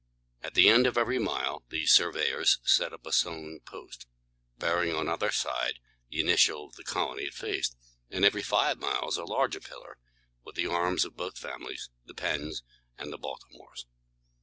At the end of every mile, these surveyors set up a stone post, bearing on either side the initial of the colony it faced; and every five miles, a larger pillar, with the arms of both families, the Penns and the Baltimores.